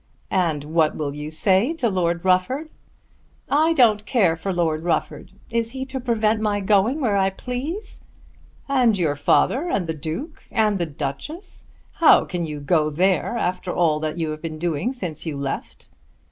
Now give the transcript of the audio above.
"And what will you say to Lord Rufford?" "I don't care for Lord Rufford. Is he to prevent my going where I please?" "And your father, and the Duke, and the Duchess! How can you go there after all that you have been doing since you left?"